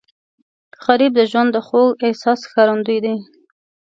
غریب د ژوند د خوږ احساس ښکارندوی دی